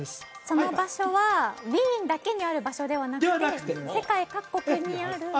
その場所はウィーンだけにある場所ではなくてではなくて世界各国にある施設